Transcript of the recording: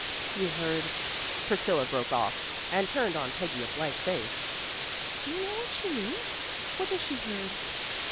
"You heard " Priscilla broke off, and turned on Peggy a blank face. "Do you know what she means? What has she heard?"